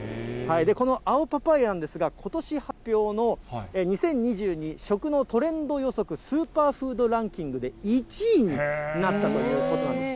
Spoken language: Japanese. この青パパイヤなんですが、ことし発表の２０２２食のトレンド予測スーパーフードランキングで１位になったということなんです。